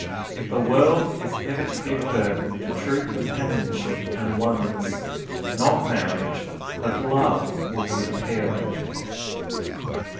If the world is ever to give birth to true companionship and oneness, not marriage, but love will be the parent.